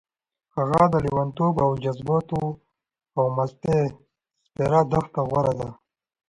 هغه د لېونتوب او جذباتو او مستۍ سپېره دښته غوره ده.